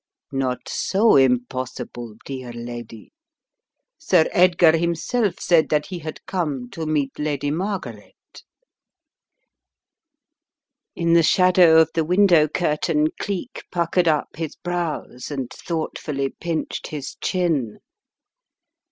"Not so impossible, dear lady. Sir Edgar himself said that he had come to meet Lady Margaret/* In the shadow of the window curtain Cleek puck ered up his brows and thoughtfully pinched his chin.